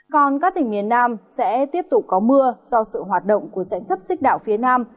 còn các tỉnh miền nam sẽ tiếp tục có mưa do sự hoạt động của rãnh thấp xích đảo phía nam